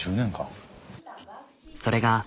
それが。